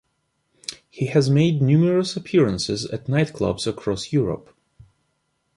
He has made numerous appearances at nightclubs across Europe.